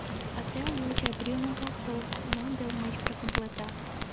Até a lua de abril não passou, não dê o mês para completar.